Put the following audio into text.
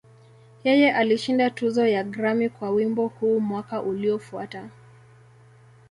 Yeye alishinda tuzo ya Grammy kwa wimbo huu mwaka uliofuata.